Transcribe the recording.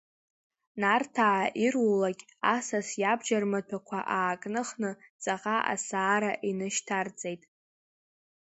Нарҭаа ирулакь асас иабџьар маҭәақәа аакныхны ҵаҟа асаара инышьҭарҵеит.